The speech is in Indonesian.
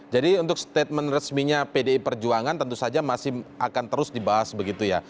jadi untuk statement resminya pdi perjuangan tentu saja masih akan terus dibahas begitu ya